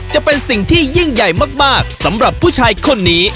จะเป็นสิ่งที่ยิ่งใหญ่มากสำหรับผู้ชายคนนี้